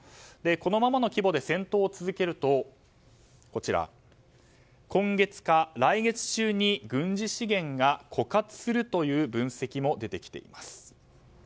このままの規模で戦闘を続けると今月か来月中に軍事資源が枯渇するという分析も出てきています。